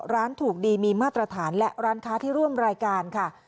ร้านถูกดีมีมาตรฐานและร้านค้าที่ร่วมรายการค่ะ